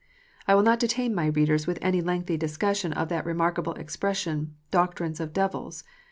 I will not detain my readers with any lengthy discussion of that remarkable expression, "doctrines of devils."